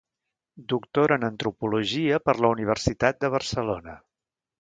Doctora en antropologia per la Universitat de Barcelona.